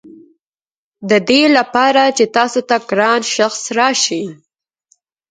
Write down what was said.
ددې لپاره چې تاسو ته ګران شخص راشي.